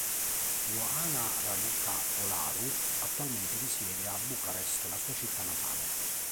Ioana Raluca Olaru attualmente risiede a Bucarest, la sua città natale.